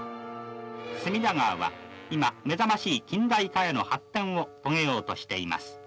隅田川は今目覚ましい近代化への発展を遂げようとしています。